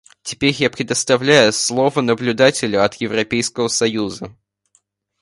Теперь я предоставляю слово наблюдателю от Европейского союза.